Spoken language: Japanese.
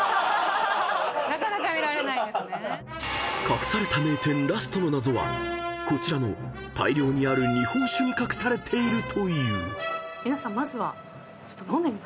［隠された名店ラストの謎はこちらの大量にある日本酒に隠されているという］